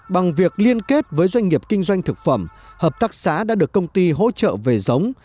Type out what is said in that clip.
bằng việc liên kết với doanh nghiệp kinh doanh thực phẩm hợp tác xã đã được công ty hỗ trợ về giống